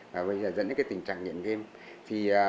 và bây giờ dẫn đến tình trạng nghiện game